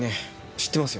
知ってますよ。